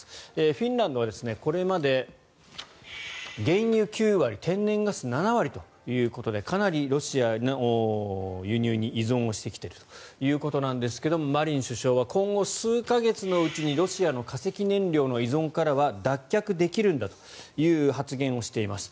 フィンランドはこれまで原油９割天然ガス７割ということでかなりロシアからの輸入に依存してきているということですがマリン首相は今後数か月のうちにロシアの化石燃料依存からは脱却できるんだという発言をしています。